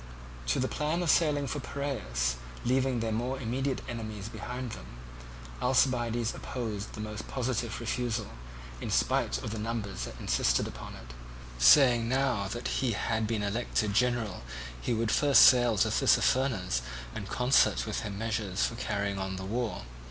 To the plan of sailing for Piraeus, leaving their more immediate enemies behind them, Alcibiades opposed the most positive refusal, in spite of the numbers that insisted upon it, saying that now that he had been elected general he would first sail to Tissaphernes and concert with him measures for carrying on the war.